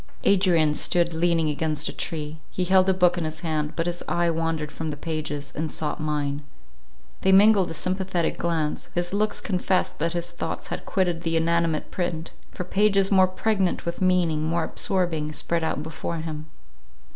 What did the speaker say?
Adrian stood leaning against a tree; he held a book in his hand, but his eye wandered from the pages, and sought mine; they mingled a sympathetic glance; his looks confessed that his thoughts had quitted the inanimate print, for pages more pregnant with meaning, more absorbing, spread out before him.